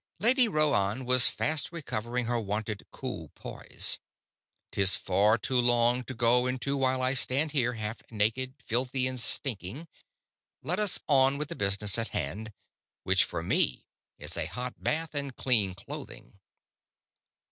Lady Rhoann was fast recovering her wonted cool poise. "'Tis far too long to go into while I stand here half naked, filthy, and stinking. Let us on with the business in hand; which, for me, is a hot bath and clean clothing."